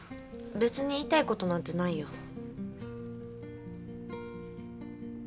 別に言いたいことなんてないよ。